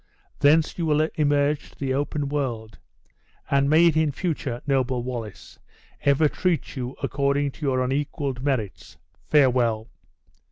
Thence you will emerge to the open world; and may it in future, noble Wallace, ever treat you according to your unequaled merits. Farewell!"